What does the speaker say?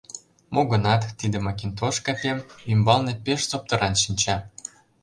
Мо гынат, тиде макинтош капем ӱмбалне пеш соптыран шинча.